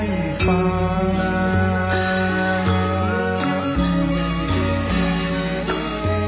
ทรงเป็นน้ำของเรา